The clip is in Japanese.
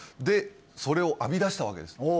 でそれを編み出したわけです